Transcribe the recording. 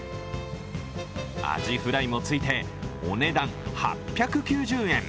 アジフライもついて、お値段８９０円。